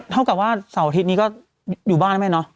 เท่ากับว่าเสาร์อาทิตย์นี้ก็อยู่บ้านนะแม่เนาะ